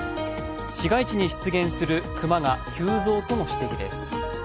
市街地に出現する熊が急増との指摘です。